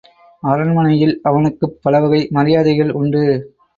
அரண்மனையில் அவனுக்குப் பலவகை மரியாதைகள் உண்டு.